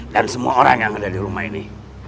dan semua orang yang ada di rumah ini